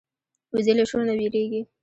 وزې له شور نه وېرېږي